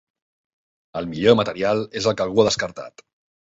El millor material és el que algú ha descartat.